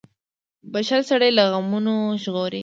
• بښل سړی له غمونو ژغوري.